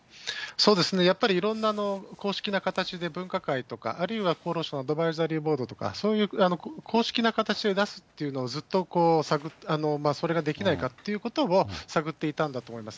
そうですね、やっぱりいろんな公式な形で、分科会とか、あるいは厚労省のアドバイザリーボードとか、そういう公式な形で出すっていうのを、ずっと、それができないかっていうことを、探っていたんだと思います。